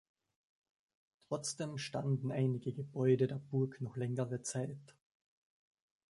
Trotzdem standen einige Gebäude der Burg noch längere Zeit.